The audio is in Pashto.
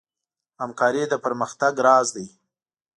همکاري د پرمختګ راز دی.